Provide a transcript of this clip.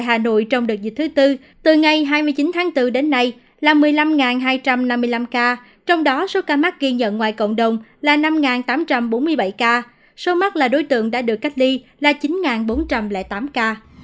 hà nội trong đợt dịch thứ tư từ ngày hai mươi chín tháng bốn đến nay là một mươi năm hai trăm năm mươi năm ca trong đó số ca mắc ghi nhận ngoài cộng đồng là năm tám trăm bốn mươi bảy ca số mắc là đối tượng đã được cách ly là chín bốn trăm linh tám ca